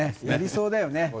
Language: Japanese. やりそうだよね